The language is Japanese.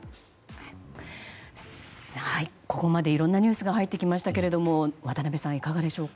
ここまでいろんなニュースが入ってきましたけれども渡辺さん、いかがでしょうか。